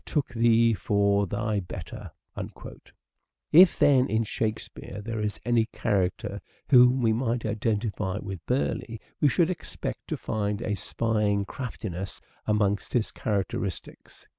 took thee for thy better." If, then, in Shakespeare there is any character whom we might identify with Burleigh we should expect to find a spying craftiness amongst his characteristics.